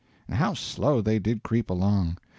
And how slow they did creep along!